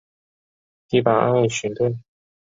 第八岸巡队